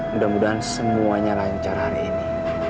mudah mudahan semuanya lancar hari ini